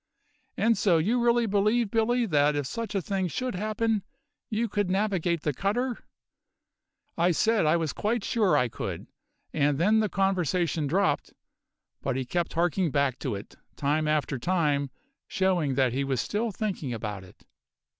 And so you really believe, Billy, that if such a thing should happen, you could navigate the cutter?' I said I was quite sure I could; and then the conversation dropped; but he kept harking back to it, time after time, showing that he was still thinking about it."